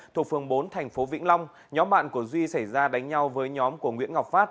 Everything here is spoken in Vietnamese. thuộc phường bốn thành phố vĩnh long nhóm bạn của duy xảy ra đánh nhau với nhóm của nguyễn ngọc phát